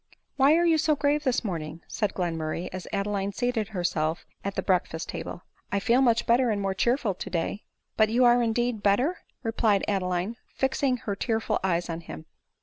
" Why are you so grave this morning ?" said Glen murray. as Adeline seated herself at the breakfast ta ble ;—" I feel much better and more cheerful to day." *" But are you,, indeed, better ?" replied Adeline, fixing her tearful eyes on him.